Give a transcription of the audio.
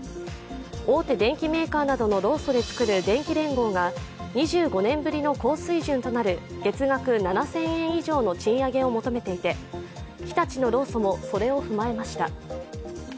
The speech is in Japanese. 大手電機メーカーなどの労組でつくる電機連合が２５年ぶりの高水準となる月額７０００円以上の賃上げを求めていて、日立の労組もそれを踏まえました。